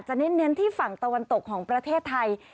เน้นที่ฝั่งตะวันตกของประเทศไทย